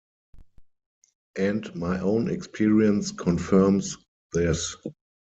And my own experience confirms this.